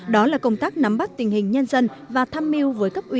đó là công tác nắm bắt tình hình nhân dân và thăm mưu với cấp ủy